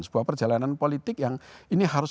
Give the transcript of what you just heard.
sebuah perjalanan politik yang ini harus